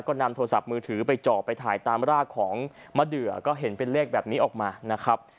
ก็นำโทรศัพท์มือถือไปเจาะไปถ่ายตามรากของมะเดือก็เห็นเป็นเลขแบบนี้ออกมานะครับ